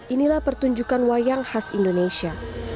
inilah pertunjukan wayang khas indonesia